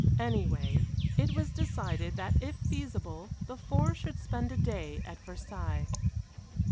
Anyway, it was decided that if feasible the four should spend a day at Versailles.